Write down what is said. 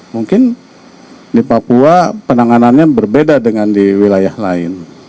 mungkin di papua penanganannya berbeda dengan di wilayah lain